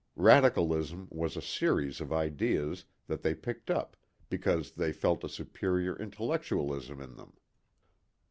Radicalism was a series of ideas that they picked up because they felt a superior intellectualism in them.